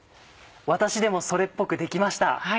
私でもそれっぽくできました。